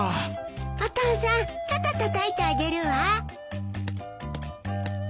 お父さん肩たたいてあげるわ。